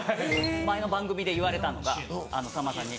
前の番組で言われたのがさんまさんに。